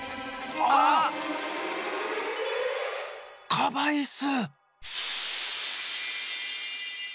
カバイス！